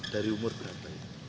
dari umur berapa